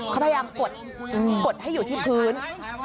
เขาพยายามกดให้อยู่ที่พื้น